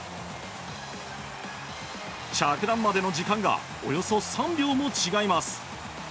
着弾までの時間がおよそ３秒も違います。